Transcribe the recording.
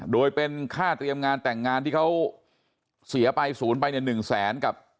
โดยเป็นค่าเตรียมงานแต่งงานที่เขาเสียไปศูนย์ไปเนี่ย๑แสนกับ